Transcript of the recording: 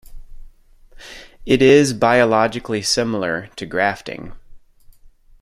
It is biologically similar to grafting.